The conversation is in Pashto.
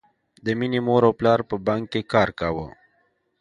د مینې مور او پلار په بانک کې کار کاوه